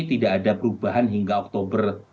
tidak ada perubahan hingga oktober